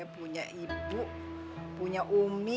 punya ibu punya umi